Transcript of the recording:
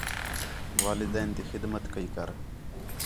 وَالدین تی خدمت کَئی کر